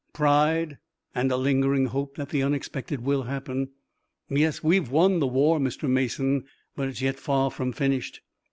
"Pride, and a lingering hope that the unexpected will happen. Yes, we've won the war, Mr. Mason, but it's yet far from finished.